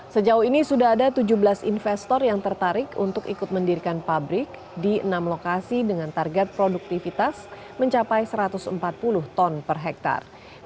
sejauh ini sudah ada tujuh belas investor yang tertarik untuk ikut mendirikan pabrik di enam lokasi dengan target produktivitas mencapai satu ratus empat puluh ton per hektare